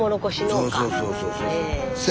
スタジオそうそうそうそうそうそう。